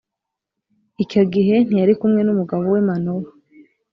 icyo gihe ntiyari kumwe n umugabo we Manowa